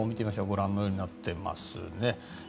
ご覧のようになっていますね。